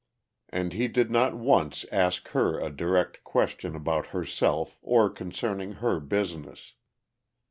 And he did not once ask her a direct question about herself or concerning her business.